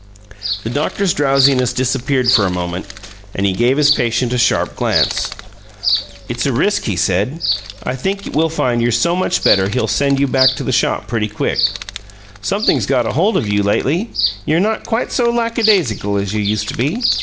The doctor's drowsiness disappeared for a moment, and he gave his patient a sharp glance. "It's a risk," he said. "I think we'll find you're so much better he'll send you back to the shop pretty quick. Something's got hold of you lately; you're not quite so lackadaisical as you used to be.